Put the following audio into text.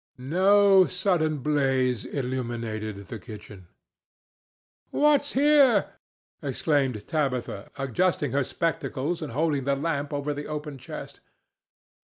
No sudden blaze illuminated the kitchen. "What's here?" exclaimed Tabitha, adjusting her spectacles and holding the lamp over the open chest.